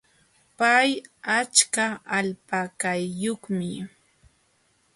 Pay achka alpakayuqmi.